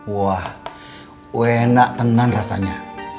wah enak tenang rasanya